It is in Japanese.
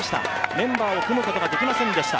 メンバーを組むことができませんでした。